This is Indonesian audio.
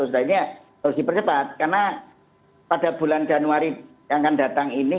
nah ini harus dipercepat karena pada bulan januari yang akan datang ini